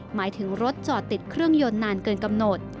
หมายถึงรถจอดติดเครื่องยนต์นานเกินกำหนด